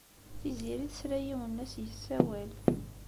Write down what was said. Tiziri tesla i yiwen la as-yessawal.